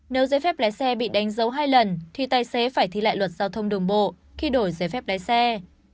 nếu giấy phép lái xe bị đánh dấu hai lần thì tài xế phải thi lại luật giao thông đường bộ khi đổi giấy phép lái xe